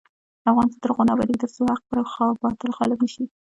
افغانستان تر هغو نه ابادیږي، ترڅو حق پر باطل غالب نشي.